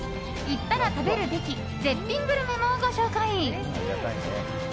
行ったら食べるべき絶品グルメもご紹介！